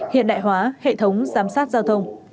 hiện đại hóa hệ thống giám sát giao thông